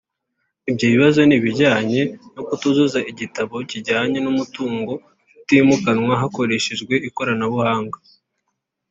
Ibyo bibazo ni ibijyanye no kutuzuza igitabo kijyanye n’umutungo utimukanwa hakoreshejwe ikoranabuhanga